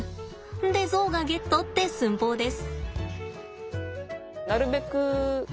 でゾウがゲットって寸法です。